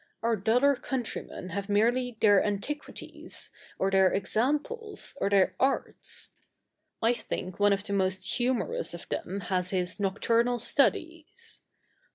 Our duller countrymen have merely their Antiquities, or their Examples, or their Arts. I think one of the most humorous of them has his Nocturnal Studies.